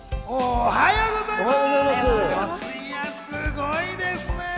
おはようございます。